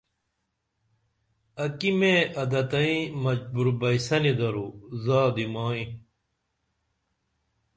اکی میں عادت تیں مجبور بین یسنی درو زادی مائی